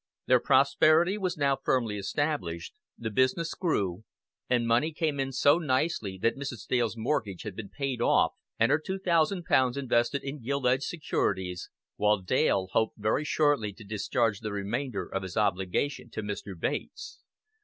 Their prosperity was now firmly established; the business grew; and money came in so nicely that Mrs. Dale's mortgage had been paid off and her two thousand pounds invested in gilt edged securities, while Dale hoped very shortly to discharge the remainder of his obligation to Mr. Bates.